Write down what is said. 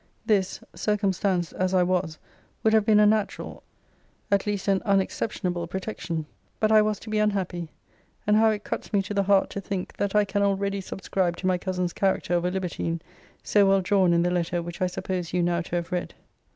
This, circumstanced as I was, would have been a natural, at least an unexceptionable protection! But I was to be unhappy! and how it cuts me to the heart to think, that I can already subscribe to my cousin's character of a libertine, so well drawn in the letter which I suppose you now to have read!